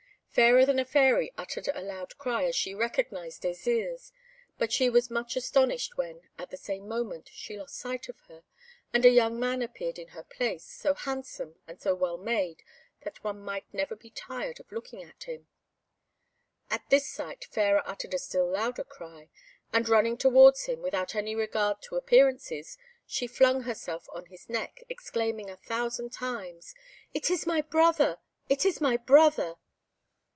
Fairer than a Fairy uttered a loud cry, as she recognised Désirs; but she was much astonished when, at the same moment, she lost sight of her, and a young man appeared in her place, so handsome and so well made that one might never be tired of looking at him. At this sight Fairer uttered a still louder cry, and running towards him, without any regard to appearances, she flung herself on his neck, exclaiming a thousand times, "It is my brother! it is my brother."